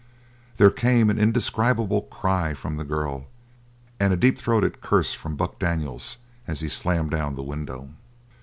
There came an indescribable cry from the girl, and a deep throated curse from Buck Daniels as he slammed down the window.